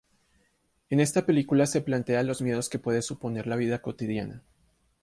En esta película se plantea los miedos que puede suponer la vida cotidiana.